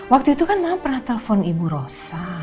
waktu itu kan mama pernah telpon ibu rosa